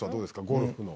ゴルフの。